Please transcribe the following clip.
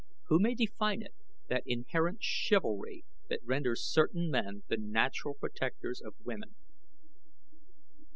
Who may define it that inherent chivalry that renders certain men the natural protectors of women?